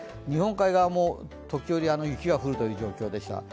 日本海側も時折、雪が降るという状況でした。